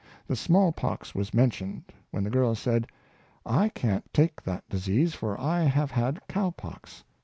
The small pox was mentioned, when the girl said, ^' I can't take that disease, for I have had cow pox."